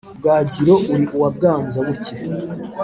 bwagiro uri uwa bwanza-buke,